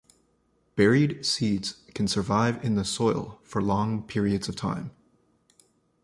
Buried seeds can survive in the soil for long periods of time.